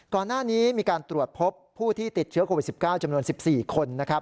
ก่อนหน้านี้มีการตรวจพบผู้ที่ติดเชื้อโควิด๑๙จำนวน๑๔คนนะครับ